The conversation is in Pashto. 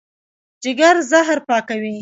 جګر زهر پاکوي.